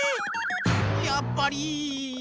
やっぱり。